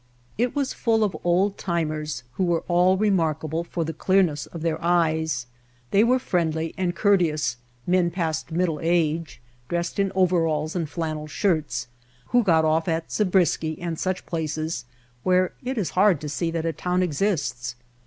It was full of old timers who were all remarkable for the clearness of their eyes. They were friendly and courteous, men past middle age, dressed in overalls and flannel shirts, who got off at Zabrisky and such places, where it is hard to see that a town exists.